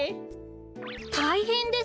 たいへんです！